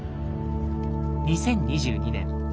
２０２２年。